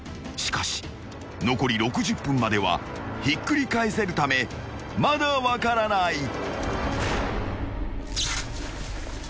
［しかし残り６０分まではひっくり返せるためまだ分からない］